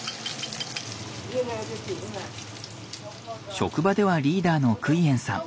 職場ではリーダーのクイエンさん。